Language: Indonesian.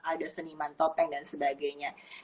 ada seniman topeng dan sebagainya